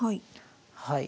はい。